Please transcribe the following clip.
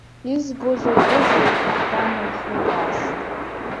Избо закәызеи, шәан лхы дааст!